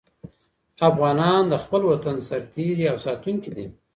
افغانان د خپل وطن سرتيري او ساتونکي دي.